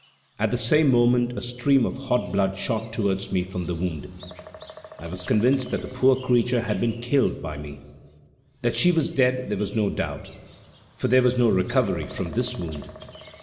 At the same moment a stream of hot blood shot towards me from the wound. I was convinced that the poor creature had been killed by me. That she was dead there was no doubt, for there was no recovery from this wound.